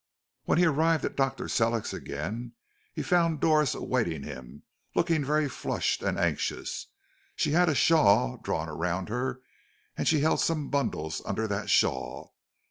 When he arrived at Dr. Sellick's again, he found Doris awaiting him, looking very flushed and anxious. She had a shawl drawn around her, and she held some bundles under that shawl.